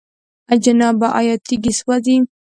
جنابه! آيا تيږي سوزي؟